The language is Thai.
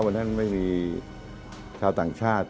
วันนั้นไม่มีชาวต่างชาติ